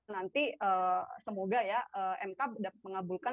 nanti semoga ya mk mengabulkan